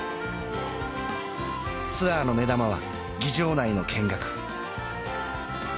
ツアーの目玉は議場内の見学